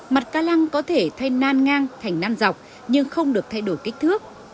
mặt ca lăng có thể thay nan ngang thành nan dọc nhưng không được thay đổi kích thước